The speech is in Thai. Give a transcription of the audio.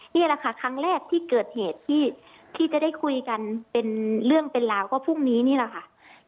นี่แหละค่ะครั้งแรกที่เกิดเหตุที่จะได้คุยกันเป็นเรื่องเป็นราวก็พรุ่งนี้นี่แหละค่ะ